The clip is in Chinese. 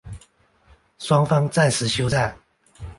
双方暂时休战。